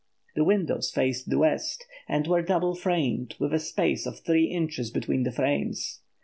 The windows faced the west, and were double framed, with a space of three inches between the frames.